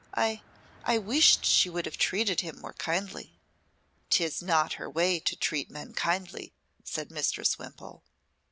I I wished she would have treated him more kindly." "'Tis not her way to treat men kindly," said Mistress Wimpole.